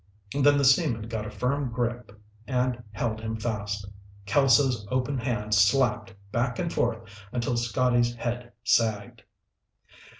Then the seamen got a firm grip and held him fast. Kelso's open hand slapped, back and forth, until Scotty's head sagged.